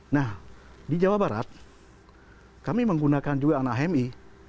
nah di jawa barat kami menggunakan juga anak hmi